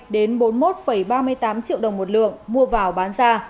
bốn mươi một hai mươi hai đến bốn mươi một ba mươi tám triệu đồng một lượng mua vào bán ra